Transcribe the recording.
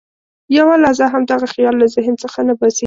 یوه لحظه هم دغه خیال له ذهن څخه نه باسي.